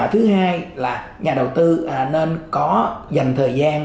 thứ hai là nhà đầu tư nên có dành thời gian